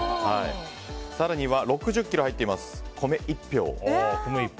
更には６０ｋｇ入っている米１俵。